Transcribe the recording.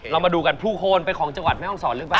เรามาดูกันพลูโคนเป็นของจังหวัดแม่ห้องศรหรือเปล่า